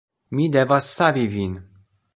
Mi devas savi vin